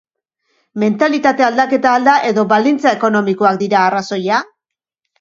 Mentalitate aldaketa al da edo baldintza ekonomikoak dira arrazoia?